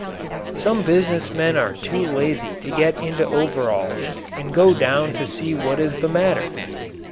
Some business men are too lazy to get into overalls and go down to see what is the matter.